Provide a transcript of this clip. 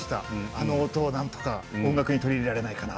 あの音をなんとか音楽に取り入れられないかな。